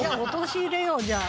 陥れようじゃあ。